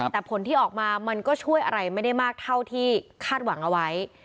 แต่ผลที่ออกมามันก็ช่วยอะไรไม่ได้มากเท่าที่คาดหวังเอาไว้